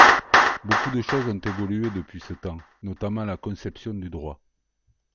Beaucoup de choses ont évolué depuis ce temps, notamment la conception du droit.